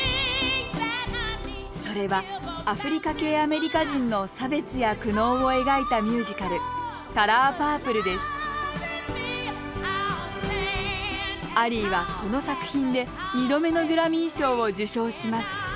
それはアフリカ系アメリカ人の差別や苦悩を描いたアリーはこの作品で２度目のグラミー賞を受賞します